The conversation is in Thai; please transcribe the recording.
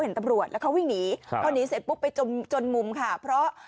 เห็นตำรวจแล้วเขาวิ่งหนีครับพอหนีเสร็จปุ๊บไปจนจนมุมค่ะเพราะ